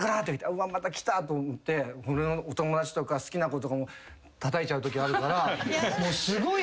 うわまた来たと思って俺のお友達とか好きな子とかもたたいちゃうときあるからすごい嫌だったの。